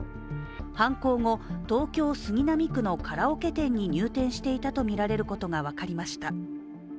犯行後、東京・杉並区のカラオケ店に入店していたとみられることが分かりました。